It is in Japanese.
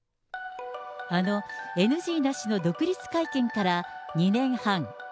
あのＮＧなしの独立会見から２年半。